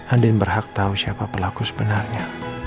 andin berhak tau siapa pelaku sebenarnya